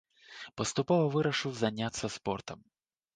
Паступова вырашыў заняцца спортам.